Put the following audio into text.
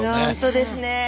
ほんとですね。